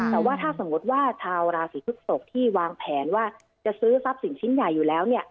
แต่ว่าถ้าสมมติว่าชาวราศีพฤกษกที่วางแผนว่าจะซื้อทรัพย์สินชิ้นใหญ่อยู่แล้ว